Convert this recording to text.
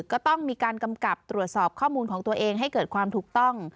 ก็ต้องมีการกำกับตรวจสอบข้อมูลของตัวเองให้เกิดความถูกต้อง